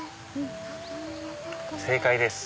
正解です。